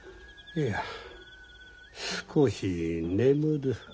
いや少し眠る。